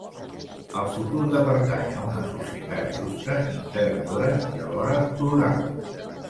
El futur de pertànyer a una societat justa, integradora i alhora plural.